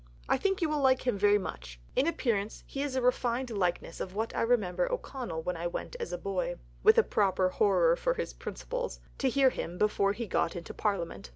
I think you will like him very much. In appearance he is a refined likeness of what I remember of O'Connell when I went as a boy (with a proper horror of his principles) to hear him before he got into Parliament.